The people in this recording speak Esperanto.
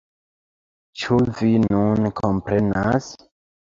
Ĉu vi nun komprenas?